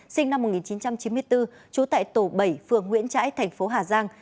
sinh năm một nghìn chín trăm chín mươi bốn trú tại tổ bảy phường nguyễn trãi thành phố hà giang